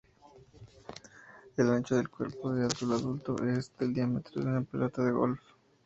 El ancho del cuerpo del adulto es del diámetro de una pelota de golf.